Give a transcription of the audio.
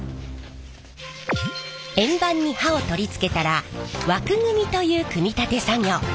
円盤に刃を取り付けたら枠組みという組み立て作業。